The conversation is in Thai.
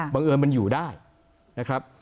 บังเอิญมันอยู่ได้นะครับ